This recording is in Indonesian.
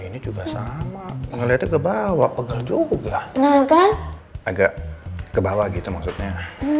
ini juga sama melihat kebawa pegal juga agak kebawa gitu maksudnya